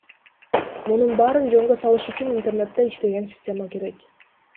Мунун баарын жөнгө салыш үчүн интернетте иштеген система керек.